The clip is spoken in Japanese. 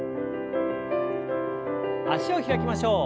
脚を開きましょう。